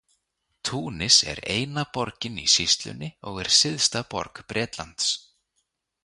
Túnis er eina borgin í sýslunni og er syðsta borg Bretlands.